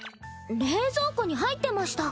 冷蔵庫に入ってました。